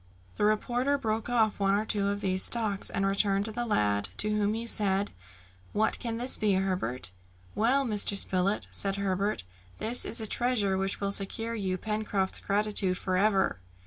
The reporter broke off one or two of these stalks and returned to the lad, to whom he said, "What can this be, Herbert?" "Well, Mr. Spilett," said Herbert, "this is a treasure which will secure you Pencroft's gratitude for ever."